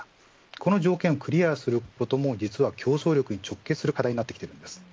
この条件をクリアすることも実は競争力に直結する課題になってきています。